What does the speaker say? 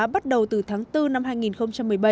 bắt đầu từ tháng bốn năm hai nghìn một mươi bảy